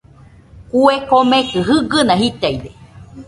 Kue komekɨ jɨgɨna jitaide.